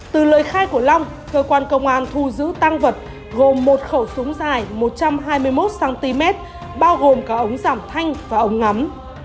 từ lời khai của long cơ quan công an thu giữ tăng vật gồm một khẩu súng dài một trăm hai mươi một cm bao gồm cả ống giảm thanh và ống ngắm